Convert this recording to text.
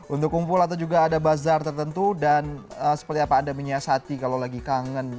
untuk kumpul atau juga ada bazar tertentu dan seperti apa anda menyiasati kalau lagi kangen